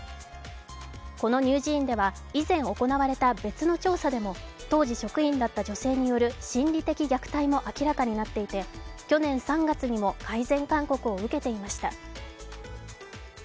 この乳児院では以前行われた別の調査でも当時、職員だった女性による心理的虐待も明らかになっていて去年３月にも改善勧告を受けていました。